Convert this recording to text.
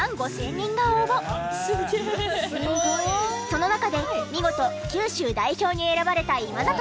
その中で見事九州代表に選ばれた今里さん。